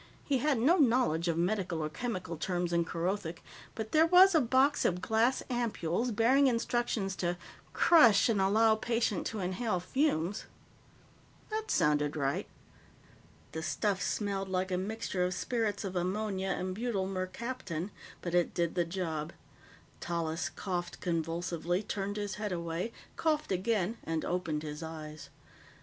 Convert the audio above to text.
He had no knowledge of medical or chemical terms in Kerothic, but there was a box of glass ampoules bearing instructions to "crush and allow patient to inhale fumes." That sounded right. The stuff smelled like a mixture of spirits of ammonia and butyl mercaptan, but it did the job. Tallis coughed convulsively, turned his head away, coughed again, and opened his eyes.